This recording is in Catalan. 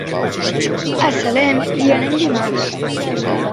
A Salem hi anem dimarts.